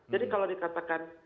jadi kalau dikatakan